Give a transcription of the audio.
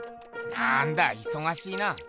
なんだいそがしいな。